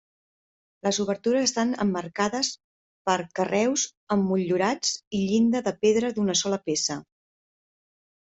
Les obertures estan emmarcades per carreus emmotllurats i llinda de pedra d'una sola peça.